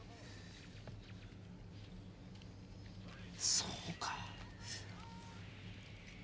そうか。